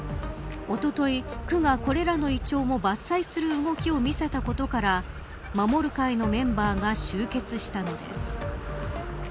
おととい、区がこれらのイチョウを伐採する動きを見せたことから守る会のメンバーが集結したのです。